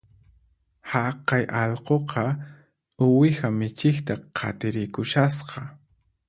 Haqay allquqa uwiha michiqta qatirikushasqa